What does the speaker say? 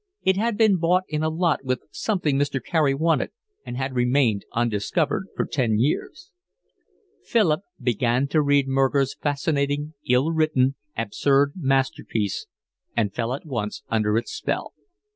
It had been bought in a lot with something Mr. Carey wanted and had remained undiscovered for ten years. Philip began to read Murger's fascinating, ill written, absurd masterpiece, and fell at once under its spell.